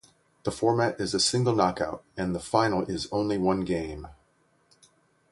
The format is a single knockout, and the final is only one game.